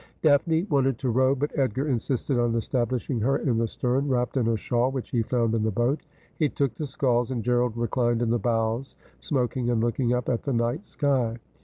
Daphne wanted to row, but Edgar insisted on establishing her in the stern, wrapped in a shawl which he found in the boat. He took the sculls, and Gerald reclined in the bows, smoking and looking up at the night sky.